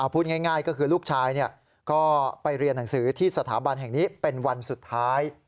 พูดง่ายก็คือลูกชายก็ไปเรียนหนังสือที่สถาบันแห่งนี้เป็นวันสุดท้าย